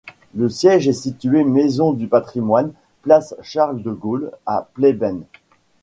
Le siège est situé Maison du Patrimoine, place Charles de Gaulle à Pleyben.